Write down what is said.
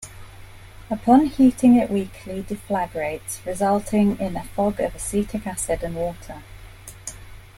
Upon heating it weakly deflagrates, resulting in a fog of acetic acid and water.